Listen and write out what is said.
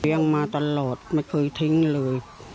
เลี้ยงมาตลอดไม่เคยทิ้งเลย